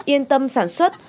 yên tâm sản xuất